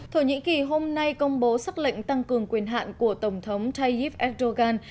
thổ nhĩ kỳ hôm nay công bố xác lệnh tăng cường quyền hạn của tổng thống tayyip erdogan